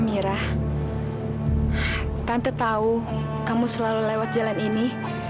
mira tante tahu kamu selalu lewat jalan ini